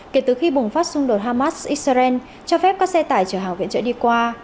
kể từ khi bùng phát xung đột hamas israel cho phép các xe tải chở hàng viện trợ đi qua